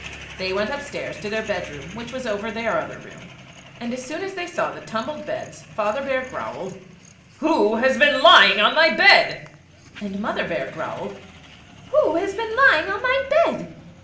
They went upstairs to their bedroom, which was over their other room, and as soon as they saw the tumbled beds Father Bear growled, "WHO HAS BEEN LYING ON MY BED?" And Mother Bear growled "WHO HAS BEEN LYING ON MY BED?"